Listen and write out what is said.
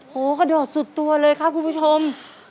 กระโดดสุดตัวเลยครับคุณผู้ชม